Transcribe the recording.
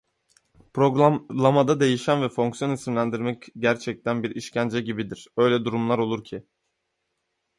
It was their fifth single to top the Oricon chart.